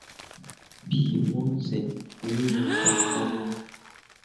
Bii mu zen iŋ yo daŋdaŋ ne ?